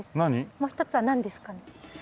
もう一つはなんですかね？